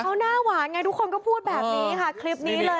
เขาหน้าหวานไงทุกคนก็พูดแบบนี้ค่ะคลิปนี้เลย